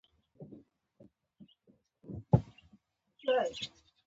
غوږونه له مهرباني سره ژوند کوي